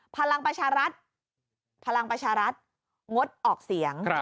พลังประชารัฐพลังประชารัฐงดออกเสียง